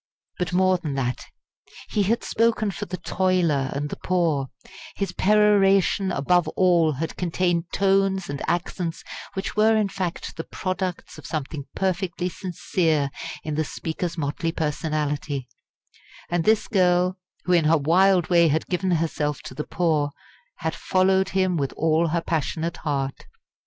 But more than that. He had spoken for the toiler and the poor; his peroration above all had contained tones and accents which were in fact the products of something perfectly sincere in the speaker's motley personality; and this girl, who in her wild way had given herself to the poor, had followed him with all her passionate heart.